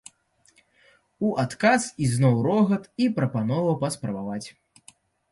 У адказ ізноў рогат і прапанова паспрабаваць.